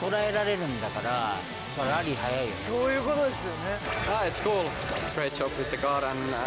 そういう事ですよね。